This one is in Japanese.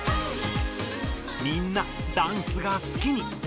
みんなダンスが好きに。